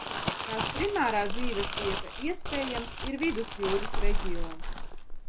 Tās primārā dzīvesvieta, iespējams, ir Vidusjūras reģions.